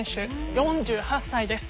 ４８歳です。